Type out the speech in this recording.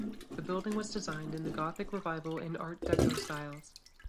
The building was designed in the Gothic Revival and Art Deco styles.